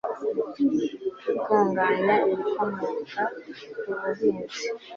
gutunganya ibikomoka ku buhinzi